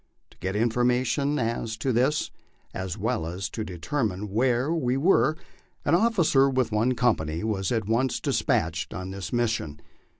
To get information as to this, as well as to determine where we were, an officer with one company was at once despatched on this mission.